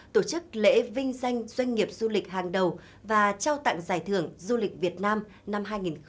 tổ chức lễ vinh danh doanh nghiệp du lịch hàng đầu và trao tặng giải thưởng du lịch việt nam năm hai nghìn hai mươi